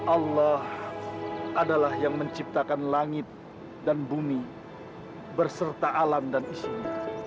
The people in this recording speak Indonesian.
allah adalah yang menciptakan langit dan bumi berserta alam dan isinya